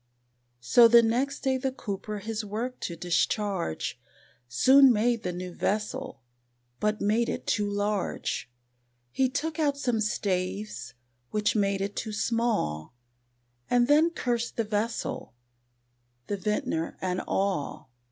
So the next day the Cooper his work to discharge, Soon made the new vessel, but made it too large; He took out some staves, which made it too small, And then cursed the vessel, the Vintner and all.